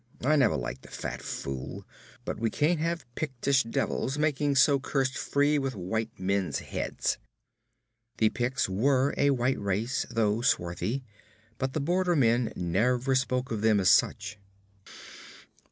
I never liked the fat fool, but we can't have Pictish devils making so cursed free with white men's heads.' The Picts were a white race, though swarthy, but the border men never spoke of them as such.